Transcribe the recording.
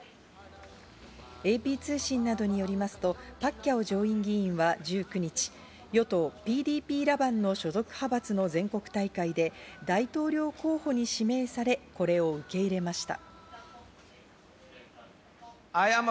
ＡＰ通信などによりますと、パッキャオ上院議員は１９日与党、ＰＤＰラバンの所属派閥の全国大会で大統領候補に指名され、これを受け入れました。